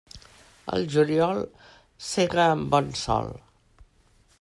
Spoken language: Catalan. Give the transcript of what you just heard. Al juliol, sega amb bon sol.